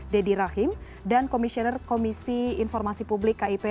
deddy rahim dan komisioner komisi informasi publik kip